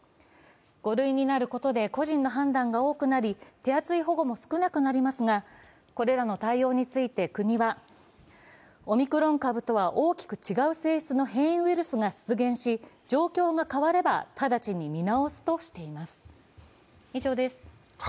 ５類になることで個人の判断が多くなり手厚い保護も少なくなりますが、これらの対応について国はオミクロン株とは大きく違う性質の変異ウイルスが出現し状況が変われば直ちに見直すとしています。